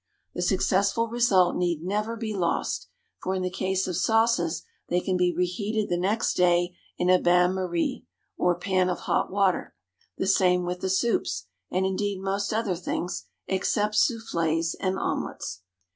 The successful result need never be lost, for in the case of sauces they can be reheated the next day in a bain marie, or pan of hot water; the same with the soups, and, indeed, most other things, except soufflées and omelets.